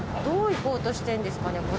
どう行こうとしてんですかね？